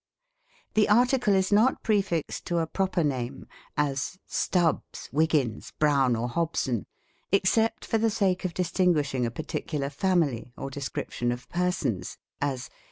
The article is not prefixed to a proper name ; as, Stubbs, Wiggins, Brown or Hobson, except for the sake of distinguishing a particular family, or description of persons ; as.